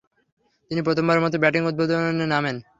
তিনি প্রথমবারের মতো ব্যাটিং উদ্বোধনে নামেন।